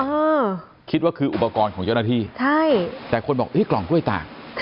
เออคิดว่าคืออุปกรณ์ของเจ้าหน้าที่ใช่แต่คนบอกอุ้ยกล่องกล้วยตาก